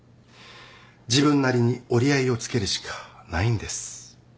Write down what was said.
自分なりに折り合いをつけるしかないんです。